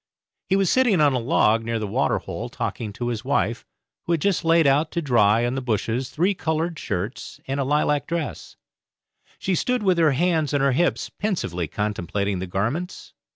He was sitting on a log near the water hole talking to his wife, who had just laid out to dry on the bushes three coloured shirts and a lilac dress. She stood with her hands on her hips, pensively contemplating the garments.